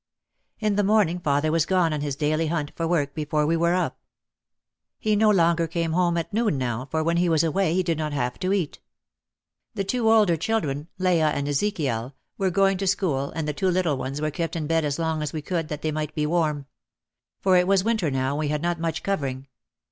In the morning father was gone on his daily hunt for work before we were up. He no longer came home at noon now, for when he was away he did not have to eat. 160 OUT OF THE SHADOW The two older children, Leah and Ezekiel, were going to school and the two little ones we kept in bed as long as we could that they might be warm. For it was win ter now and we had not much covering.